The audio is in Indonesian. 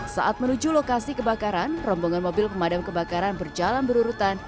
saat menuju lokasi kebakaran rombongan mobil pemadam kebakaran berjalan berurutan